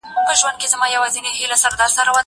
هغه وويل چي د کتابتون د کار مرسته ضروري ده!!